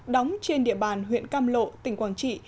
đóng trên địa bàn huyện cam lộ tỉnh quảng trị